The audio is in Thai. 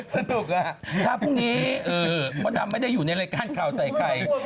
สนุกถ้าพรุ่งนี้มดดำไม่ได้อยู่ในรายการข่าวใส่ไข่